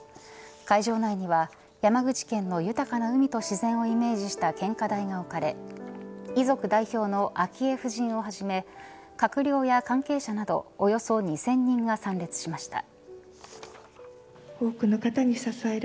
会場内には山口県の豊かな海と自然をイメージした献花台が置かれ遺族代表の昭恵夫人をはじめ閣僚や関係者などおよそ２０００人が参列しました。